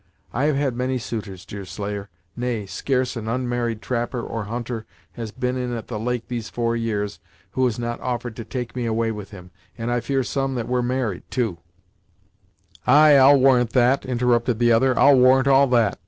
I have had many suitors, Deerslayer nay, scarce an unmarried trapper or hunter has been in at the Lake these four years, who has not offered to take me away with him, and I fear some that were married, too " "Ay, I'll warrant that!" interrupted the other "I'll warrant all that!